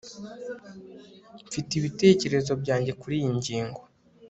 Mfite ibitekerezo byanjye kuriyi ngingo